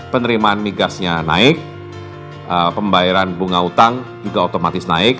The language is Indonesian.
penerimaan migasnya naik pembayaran bunga utang juga otomatis naik